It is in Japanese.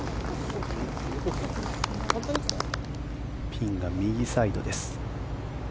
ピンが右サイドです。